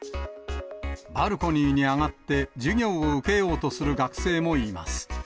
バルコニーに上がって、授業を受けようとする学生もいます。